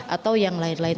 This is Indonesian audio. atau yang lain lain